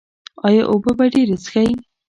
ایا اوبه به ډیرې څښئ؟